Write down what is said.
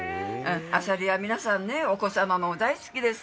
あさりは皆さん、お子様も大好きです。